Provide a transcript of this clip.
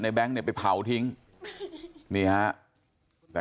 ในแบงค์เนี่ยไปเผาทิ้งมีฮะ